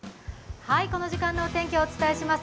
この時間のお天気、お伝えします。